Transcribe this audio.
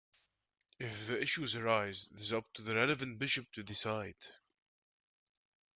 If the issue arises, it is up to the relevant Bishop to decide.